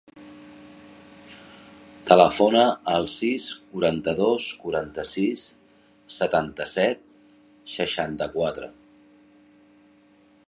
Telefona al sis, quaranta-dos, quaranta-sis, setanta-set, seixanta-quatre.